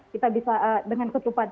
kita bisa dengan ketupat